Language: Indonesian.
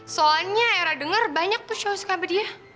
soalnya era denger banyak tuh cowok cowoknya